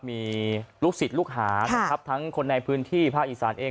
มีลูกศิษย์ลูกหานะครับทั้งคนในพื้นที่ภาคอีสานเอง